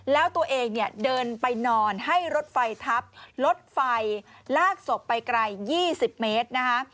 แล้วตัวเองเนี่ยเดินไปนอนให้รถไฟทับรถไฟลากศพไปไกล๒๐เมตรนะคะ